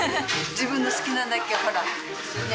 自分の好きなだけほらね